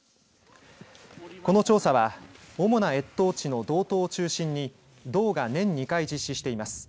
この調査は主な越冬地の道東を中心に道が年２回、実施しています。